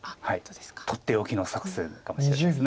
とっておきの作戦かもしれないです。